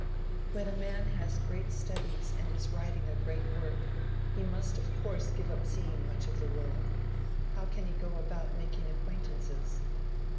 "When a man has great studies and is writing a great work, he must of course give up seeing much of the world. How can he go about making acquaintances?"